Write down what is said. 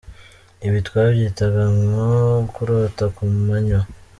Ibi twabyitaga nko kurota ku manywa.